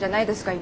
今。